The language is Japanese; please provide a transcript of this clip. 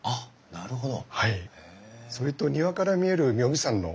なるほど。